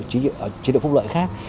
chế độ phúc lợi khác